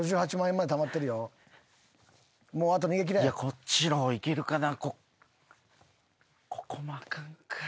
こっちの方行けるかな？